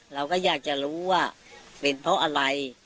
เราก็อยากจะรู้ว่าเป็นเพราะอะไร